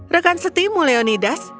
rekan setimu leonidas